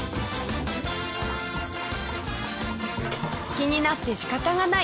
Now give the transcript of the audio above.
気になって仕方がない